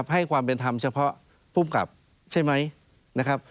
ให้ความเป็นธรรมเฉพาะภูมิกับใช่ไหมนะครับ